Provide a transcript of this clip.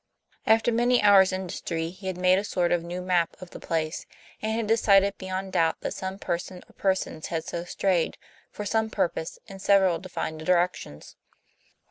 After many hours' industry, he had made a sort of new map of the place; and had decided beyond doubt that some person or persons had so strayed, for some purpose, in several defined directions.